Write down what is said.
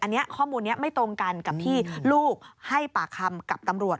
อันนี้ข้อมูลนี้ไม่ตรงกันกับที่ลูกให้ปากคำกับตำรวจ